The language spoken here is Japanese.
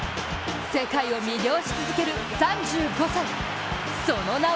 世界を魅了し続ける３５歳、その名は